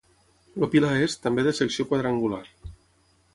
El pilar és, també de secció quadrangular.